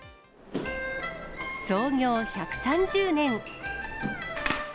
創業１３０年。